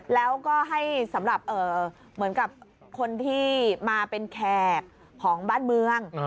แล้วก็ให้สำหรับเหมือนกับคนที่มาเป็นแขกของบ้านเมือง